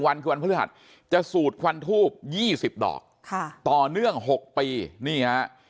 ๑วันคือวันพระราชจะสูดควันทูป๒๐ดอกต่อเนื่อง๖ปี